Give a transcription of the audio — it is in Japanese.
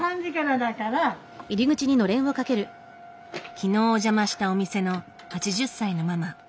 昨日お邪魔したお店の８０歳のママ。